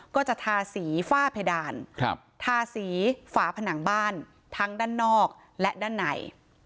ก็จะทาสีฝ้าเพดานทาสีฝาผนังบ้านทั้งด้านนอกและด้านใน